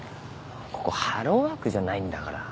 ここハローワークじゃないんだから。